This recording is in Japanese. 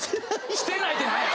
「してない」ってなんや！